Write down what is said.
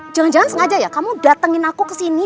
jangan jangan sengaja ya kamu datengin aku kesini